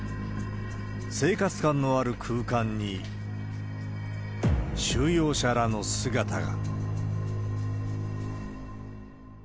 生活感のある空間に、収容者らの姿が。